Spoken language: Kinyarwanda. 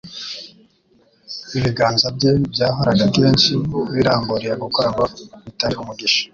ibiganza bye byahoraga kenshi biramburiye gukora ngo bitange umugisha